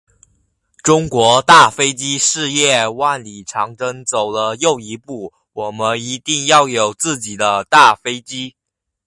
中国大飞机事业万里长征走了又一步，我们一定要有自己的大飞机。